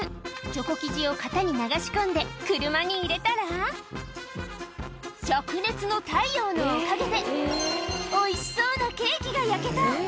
チョコ生地を型に流し込んで、車に入れたら、しゃく熱の太陽のおかげで、おいしそうなケーキが焼けた。